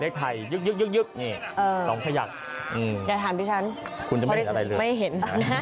เลขไทยยึกอย่าถามดิฉันไม่เห็น